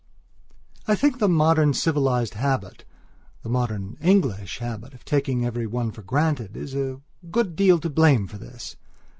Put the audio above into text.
I think the modern civilized habitthe modern English habit of taking every one for grantedis a good deal to blame for this.